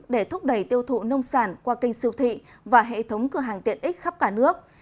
để thúc đẩy tiêu thụ nông sản qua kênh siêu thị và hệ thống cửa hàng tiện ích khắp cả nước